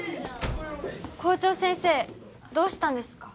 校長先生どうしたんですか？